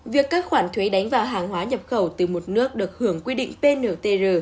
việc các khoản thuế đánh vào hàng hóa nhập khẩu từ một nước được hưởng quy định ptr